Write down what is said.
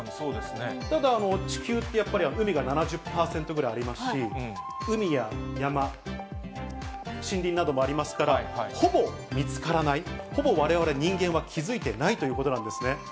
ただ、地球ってやっぱり海が７０％ぐらいありますし、海や山、森林などもありますから、ほぼ見つからない、ほぼわれわれ人間は気付いてないということなんですね。